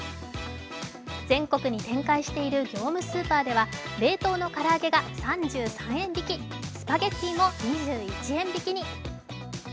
全国に展開している業務スーパーでは冷凍のから揚げが３３円引き、スパゲッティも２１円引きに。